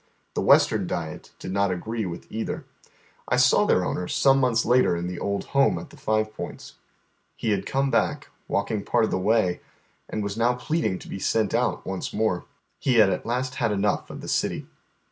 The Western diet did not agree with either. I saw their owner some months later in the old home at the Five Points. He had come back, walking part of the way, and was now pleading to be sent ,y Google.. 208 HOW THE OTJIKR HALF LIVES. out onee more. He iiad at last had enough of the city.